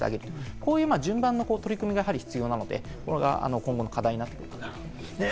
こういう順番の取り組みが必要なので、今後の課題になっていくと思います。